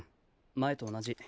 前と同じ。